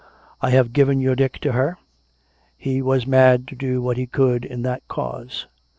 I have given your Dick to her; he was mad to do what he could in that cause.